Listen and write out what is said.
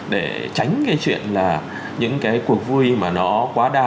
để tránh cái chuyện là những cái cuộc vui mà nó quá đà